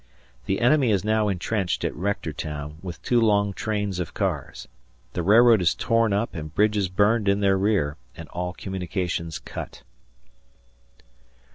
The enemy is now entrenched at Rectortown, with two long trains of cars. The railroad is torn up and bridges burned in their rear, and all communications cut.